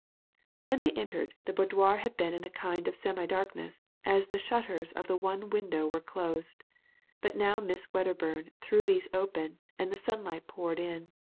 When they entered, the boudoir had been in a kind of semi darkness, as the shutters of the one window were closed ; but now Miss Wedderbum threw these open, and the sunlight poured in.